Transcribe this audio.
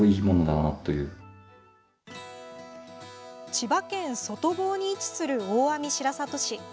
千葉県外房に位置する大網白里市。